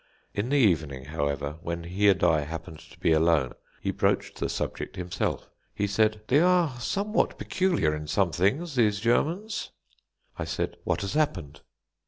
In the evening, however, when he and I happened to be alone, he broached the subject himself. He said: "They are somewhat peculiar in some things, these Germans." I said: "What has happened?"